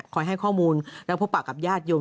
ให้ข้อมูลและพบปากกับญาติโยม